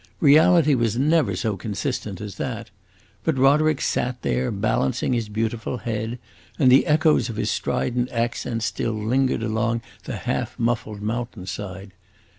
Reality was never so consistent as that! But Roderick sat there balancing his beautiful head, and the echoes of his strident accent still lingered along the half muffled mountain side.